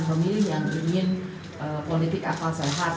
pemilih yang ingin politik akal sehat